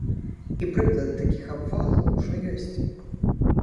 І прыклады такіх абвалаў ужо ёсць.